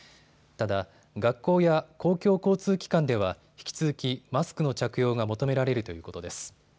ただ、学校や公共交通機関では引き続きマスクの着用が求められるということです。